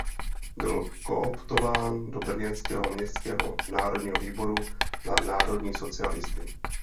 Byl kooptován do brněnského městského národního výboru za národní socialisty.